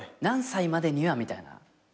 何歳までにはみたいな？